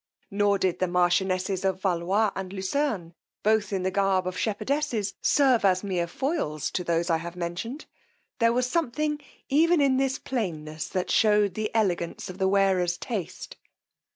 Nor did the marchionesses of Vallois and Lucerne, both in the garb of shepherdesses, serve as mere foils to those I have mentioned: there was something; even in this plainness that shewed the elegance of the wearer's taste.